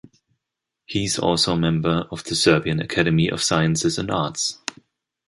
He is also a member of the Serbian Academy of Sciences and Arts.